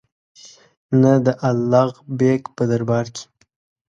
نه د الغ بېګ په دربار کې.